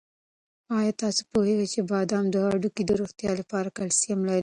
آیا تاسو پوهېږئ چې بادام د هډوکو د روغتیا لپاره کلسیم لري؟